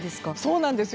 そうなんです。